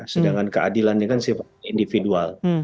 sedangkan keadilan ini kan sifatnya individual